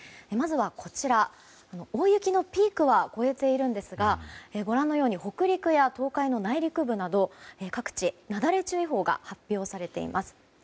まずはこちら、大雪のピークは超えているんですがご覧のように北陸や東海の内陸部など各地、雪崩注意報が発表されています。